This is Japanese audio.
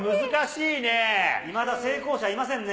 いまだ成功者いませんね。